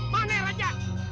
buat ini aja raja